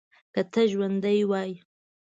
که ته ژوندی وای.